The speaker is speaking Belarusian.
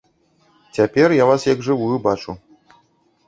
Цяпер я вас як жывую бачу.